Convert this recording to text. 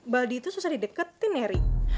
baldi itu susah dideketin ya rik